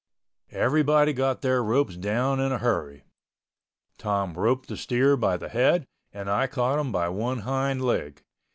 Everybody got their ropes down in a hurry. Tom roped the steer by the head and I caught him by one hind leg.